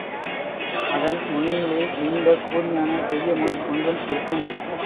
அதன் நுனியிலே நீண்ட கூர்மையான பெரிய முள் ஒன்றும் இருக்கும்.